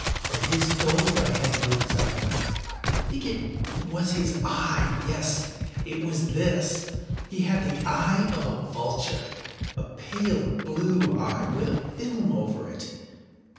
For his gold I had no desire. I think it was his eye! yes, it was this! He had the eye of a vulture—a pale blue eye, with a film over it.